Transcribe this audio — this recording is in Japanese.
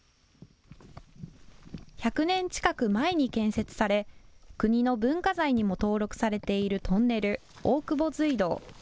１００年近く前に建設され国の文化財にも登録されているトンネル、大久保隧道。